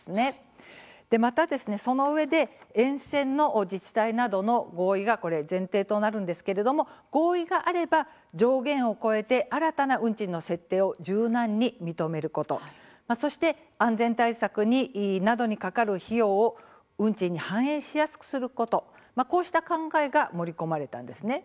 また、そのうえで沿線の自治体などの合意が前提となるんですけれども合意があれば上限を超えて新たな運賃の設定を柔軟に認めることそして、安全対策などにかかる費用を運賃に反映しやすくすることこうした考えが盛り込まれたんです。